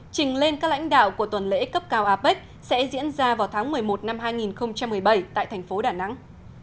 trình lên các lãnh đạo của tuần lễ cấp cao apec sẽ diễn ra vào tháng một mươi một năm hai nghìn một mươi bảy tại thành phố đà nẵng